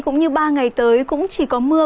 cũng như ba ngày tới cũng chỉ có mưa